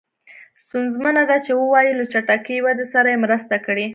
ستونزمنه ده چې ووایو له چټکې ودې سره یې مرسته کړې.